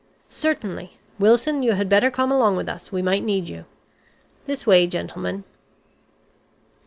"Certainly. Wilson, you had better come along with us, we might need you. This way, gentlemen."